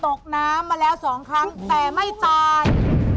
ตกน้ำมาแล้วสองครั้งแต่ไม่ตาย